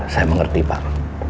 saya mengerti pak